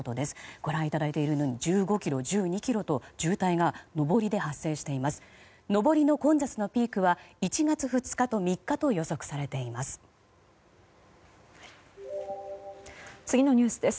ご覧いただいているように１５ｋｍ、１２ｋｍと渋滞が上りで発生しています。